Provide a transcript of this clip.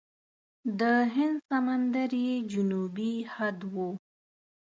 د هند سمندر یې جنوبي حد و.